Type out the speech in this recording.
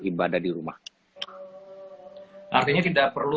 ibadah di rumah artinya tidak perlu